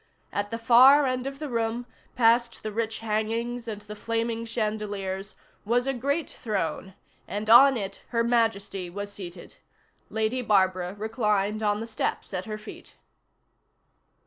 At the far end of the room, past the rich hangings and the flaming chandeliers, was a great throne, and on it Her Majesty was seated. Lady Barbara reclined on the steps at her feet.